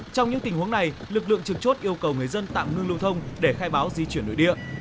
trong những tình huống này lực lượng trực chốt yêu cầu người dân tạm ngưng lưu thông để khai báo di chuyển nội địa